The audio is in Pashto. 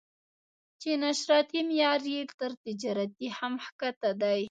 چې نشراتي معیار یې تر تجارتي هم ښکته دی.